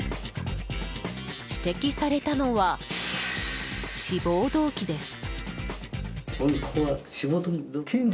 指摘されたのは志望動機です。